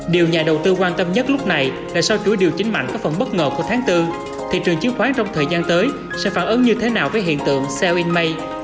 điều nhà đầu tư quan tâm nhất lúc này là sau chuỗi điều chỉnh mạnh có phần bất ngờ của tháng bốn thị trường chứng khoán trong thời gian tới sẽ phản ứng như thế nào với hiện tượng sareing ma